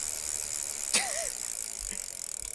Es autor de seis libros y varios artículos.